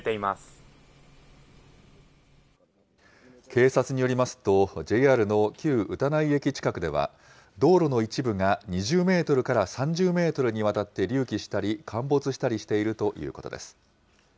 警察によりますと、ＪＲの旧歌内駅近くでは道路の一部が２０メートルから３０メートルにわたって隆起したり陥没したりしているということです。